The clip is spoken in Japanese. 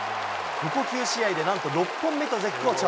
ここ９試合で、なんと６本目と絶好調。